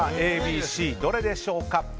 Ａ、Ｂ、Ｃどれでしょうか。